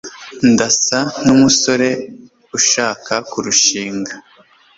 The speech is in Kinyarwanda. ndasa numusore ushaka kurushinga